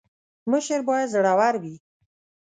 مشر باید زړه ور وي